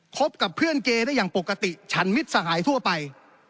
บกับเพื่อนเกย์ได้อย่างปกติฉันมิตรสหายทั่วไป